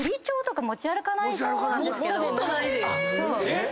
えっ⁉